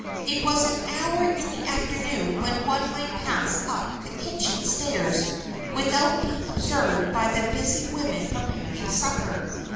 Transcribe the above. It was an hour in the afternoon when one might pass up the kitchen stairs without being observed by the busy women preparing supper.